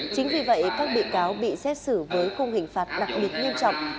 chính vì vậy các bị cáo bị xét xử với khung hình phạt đặc biệt nghiêm trọng